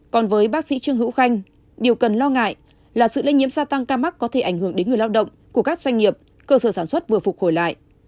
còn với bác sĩ trương hữu khanh điều cần lo ngại là sự lây nhiễm gia tăng ca mắc có thể ảnh hưởng đến người lao động của các doanh nghiệp cơ sở sản xuất vừa phục hồi lại